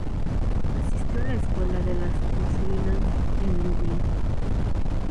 Asistió a la escuela de las Ursulinas en Lublin.